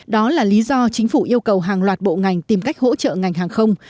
đó là lý do chính phủ yêu cầu hàng loạt bộ ngành tìm cách hỗ trợ ngành hàng không